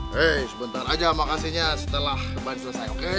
hei sebentar aja makasihnya setelah ban selesai oke